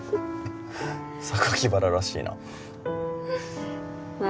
榊原らしいなま